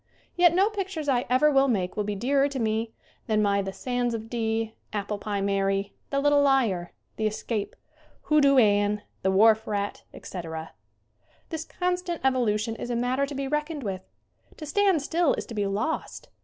Yet no pictures I ever will make will be dearer to me than my "The Sands of Dee," "Apple Pie Mary," "The Little Liar," "The Escape," "Hoodoo Ann," "The Wharf Rat," etc. This constant evolution is a matter to be reckoned with. To stand still is to be lost.